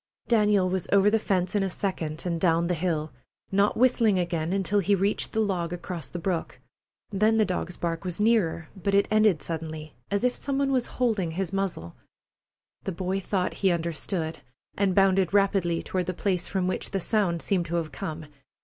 Daniel was over the fence in a second and down the hill, not whistling again until he reached the log across the brook. Then the dog's bark was nearer, but it ended suddenly, as if some one was holding his muzzle. The boy thought he understood, and bounded rapidly toward the place from which the sound seemed to have come.